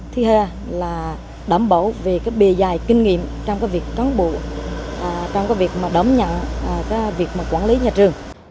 thứ hai là đảm bảo về bề dài kinh nghiệm trong việc đảm bảo trong việc đảm nhận trong việc quản lý nhà trường